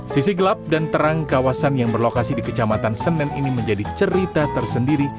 sisi gelap dan terang kawasan yang berlokasi di kecamatan senen ini menjadi cerita tersendiri